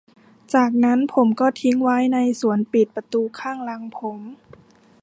จากนั้นผมก็ทิ้งไว้ในสวนปิดประตูข้างหลังผม